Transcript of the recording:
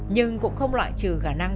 nhưng cũng không loại trừ khả năng